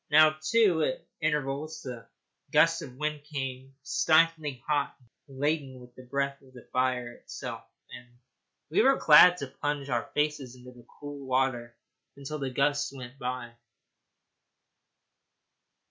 Now, too, at intervals the gusts of wind came stiflingly hot, laden with the breath of the fire itself, and we were glad to plunge our faces down into the cool water until the gusts went by.